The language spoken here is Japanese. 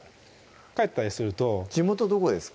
帰ったりすると地元どこですか？